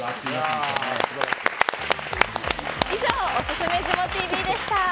以上オススメ、ジモＴＶ！でした。